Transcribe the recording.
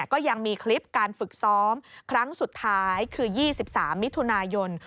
ก็ยังมีคลิปการฝึกซ้อมครั้งสุดท้ายคือ๒๓มิถุนายน